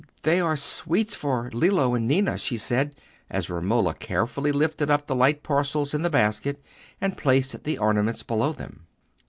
"They are sweets for Lillo and Ninna," she said, as Romola carefully lifted up the light parcels in the basket, and placed the ornaments below them.